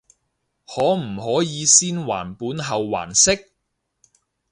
可唔可以先還本後還息？